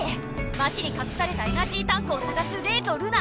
まちにかくされたエナジータンクをさがすレイとルナ。